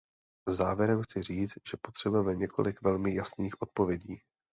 Závěrem chci říci, že potřebujeme několik velmi jasných odpovědí.